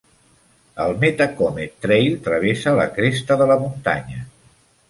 El Metacomet Trail travessa la cresta de la muntanya.